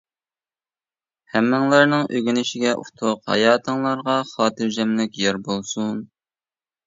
ھەممىڭلارنىڭ ئۆگىنىشىگە ئۇتۇق، ھاياتىڭلارغا خاتىرجەملىك يار بولسۇن!